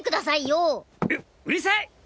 ううるさい！！